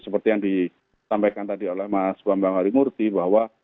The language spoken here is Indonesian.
seperti yang disampaikan tadi oleh mas bambang harimurti bahwa